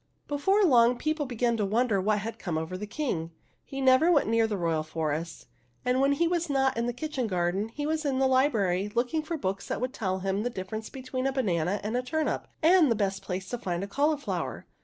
Before long people began to wonder what had come over the King. He never went near the royal forest, and when he was not in the kitchen garden he was in the library, looking for books that would tell him the difference between a banana and a turnip and the best place to find a cauliflower.